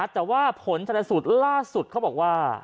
แต่ว่าผลทรัพย์สูตรล่าสุดเค้าบอกว่า